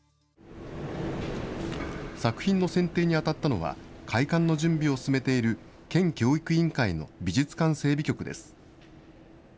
作品の選定に当たったのは、開館の準備を進めている県教育委員会の美術館整備局です。